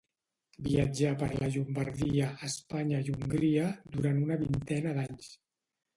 Viatjà per la Llombardia, Espanya i Hongria, durant una vintena d'anys.